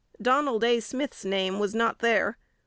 Donald A. Smith's name was not there.